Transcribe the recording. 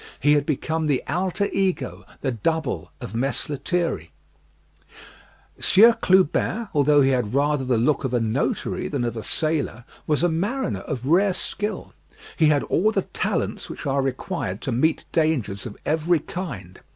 He became the alter ego, the double, of Mess Lethierry. Sieur Clubin, although he had rather the look of a notary than of a sailor, was a mariner of rare skill. He had all the talents which are required to meet dangers of every kind.